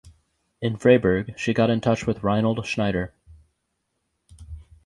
In Freiburg she got in touch with Reinhold Schneider.